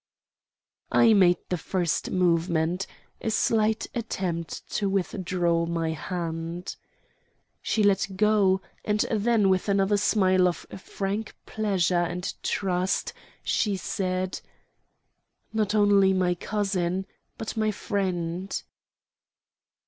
I made the first movement a slight attempt to withdraw my hand. She let go, and then, with another smile of frank pleasure and trust, she said: "Not only my cousin, but my friend."